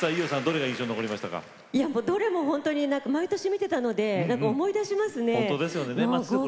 どれも毎年見ていたので思い出します。